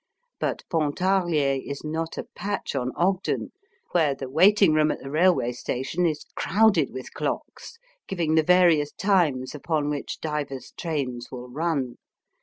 But Pontarlier is not a patch on Ogden, where the waiting room at the railway station is crowded with clocks, giving the various times upon which divers trains will run.